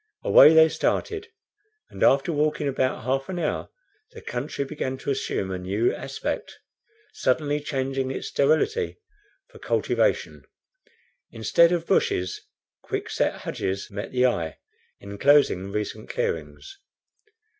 Away they started, and, after walking about half an hour, the country began to assume a new aspect, suddenly changing its sterility for cultivation. Instead of bushes, quick set hedges met the eye, inclosing recent clearings.